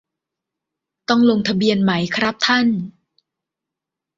ต้องลงทะเบียนไหมครับท่าน